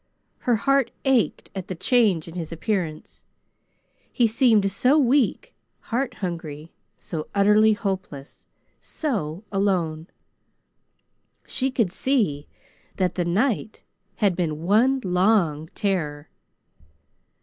Her heart ached at the change in his appearance. He seemed so weak, heart hungry, so utterly hopeless, so alone. She could see that the night had been one long terror.